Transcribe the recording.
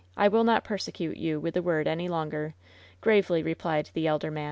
I will not persecute you with the word any longer," gravely repUed the elder man.